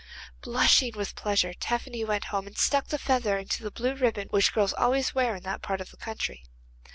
Blushing with pleasure Tephany went home and stuck the feather into the blue ribbon which girls always wear in that part of the country.